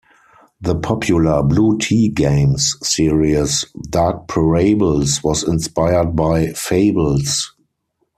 The popular Blue Tea Games series "Dark Parables" was inspired by "Fables".